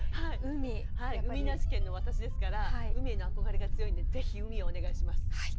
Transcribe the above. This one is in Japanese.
海なし県の私ですから海への憧れが強いんでぜひ「海」をお願いします。